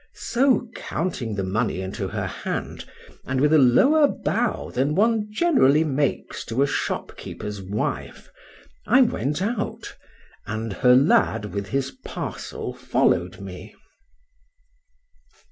So counting the money into her hand, and with a lower bow than one generally makes to a shopkeeper's wife, I went out, and her lad with his parcel followed me.